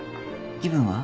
気分は？